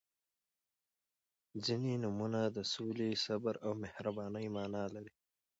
• ځینې نومونه د سولې، صبر او مهربانۍ معنا لري.